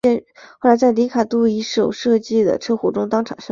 后来在里卡度一手设计的车祸中当场身亡。